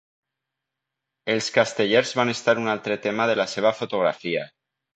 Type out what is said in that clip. Els castellers van estar un altre tema de la seva fotografia.